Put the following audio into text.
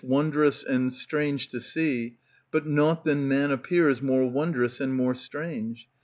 Wondrous and strange to see, But nought than man appears More wondrous and more strange.